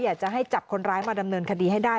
อยากจะให้จับคนร้ายมาดำเนินคดีให้ได้